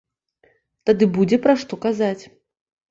Тады будзе пра што казаць.